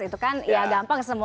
itu kan ya gampang